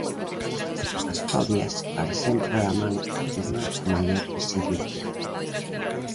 As fobias van sempre da man dunha maior visibilidade.